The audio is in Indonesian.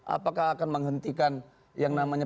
apakah akan menghentikan yang namanya